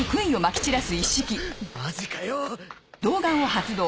マジかよ！